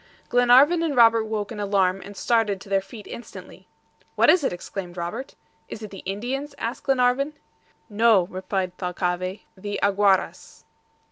Glenarvan and Robert woke in alarm, and started to their feet instantly. "What is it?" exclaimed Robert. "Is it the Indians?" asked Glenarvan. "No," replied Thalcave, "the AGUARAS."